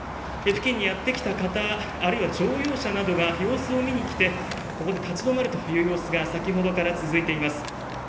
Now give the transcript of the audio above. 付近にやって来た方、あるいは乗用車などが様子を見に来てここで立ちどまる様子が先ほどから続いています。